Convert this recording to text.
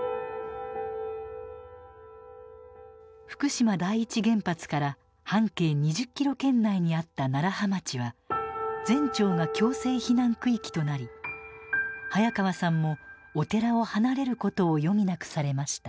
福島第一原発から半径２０キロ圏内にあった楢葉町は全町が強制避難区域となり早川さんもお寺を離れることを余儀なくされました。